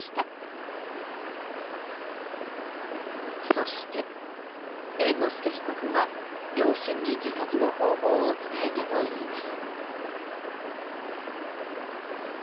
そして猿之助被告は、両親に自殺の方法を伝えたといいます。